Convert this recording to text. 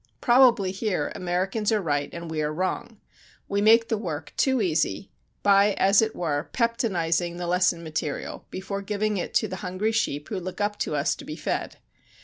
Probably here Americans are right and we are wrong; we make the work too easy by, as it were, peptonizing the lesson material, before giving it to the hungry sheep who look up to us to be fed.